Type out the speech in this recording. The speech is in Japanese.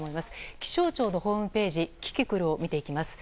気象庁のホームページキキクルを見ていきます。